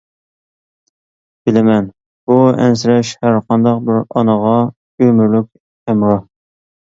بىلىمەن، بۇ ئەنسىرەش ھەر قانداق بىر ئانىغا ئۆمۈرلۈك ھەمراھ.